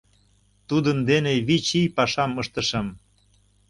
Тудын дене вич ий пашам ыштышым.